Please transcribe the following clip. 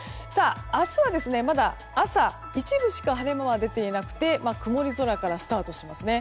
明日はまだ、朝、一部しか晴れ間は出ていなくて曇り空からスタートします。